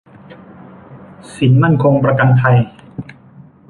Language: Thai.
สินมั่นคงประกันภัย